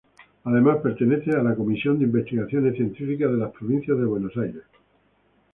Además pertenece a la Comisión de investigaciones científicas, de la provincia de Buenos Aires.